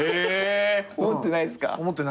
思ってないっすか。